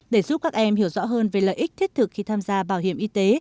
để giúp các em hiểu rõ hơn về lợi ích thiết thực khi tham gia bảo hiểm y tế